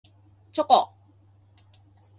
チョコ